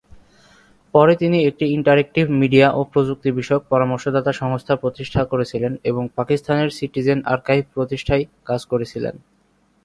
পরে তিনি একটি ইন্টারেক্টিভ মিডিয়া ও প্রযুক্তি বিষয়ক পরামর্শদাতা সংস্থা প্রতিষ্ঠা করেছিলেন এবং পাকিস্তানের সিটিজেন আর্কাইভ প্রতিষ্ঠায় কাজ করেছিলেন।